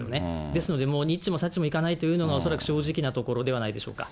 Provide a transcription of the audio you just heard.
ですので、もうにっちもさっちもいかないというのが、恐らく正直なところではないでしょうか？